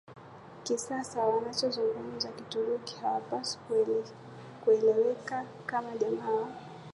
kisasa wanaozungumza Kituruki hawapaswi kueleweka kama jamaa wa